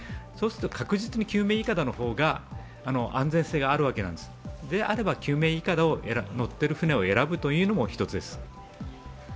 確実に救命いかだの方が安全性があるわけなんですであれば、救命いかだが乗っている船を選ぶべきだと思います。